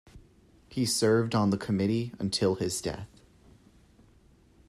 He served on the committee until his death.